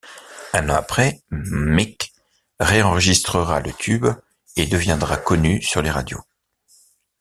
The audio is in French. Un an après Mick réenregistrera le tube et deviendra connue sur les radios.